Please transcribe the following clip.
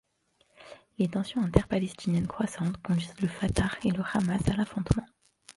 Les tensions interpalestiniennes croissantes conduisent le Fatah et le Hamas à l'affrontement.